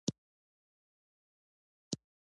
منی د افغانستان د کلتوري میراث برخه ده.